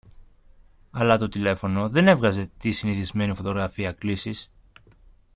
αλλά το τηλέφωνο δεν έβγαζε τη συνηθισμένη φωτογραφία κλήσης